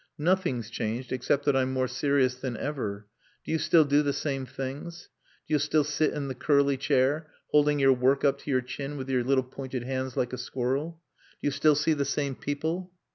"Nothing's changed, except that I'm more serious than ever.... Do you still do the same things? Do you still sit in the curly chair, holding your work up to your chin with your little pointed hands like a squirrel? Do you still see the same people?"